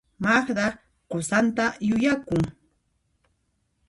Magda qusanta yuyakun.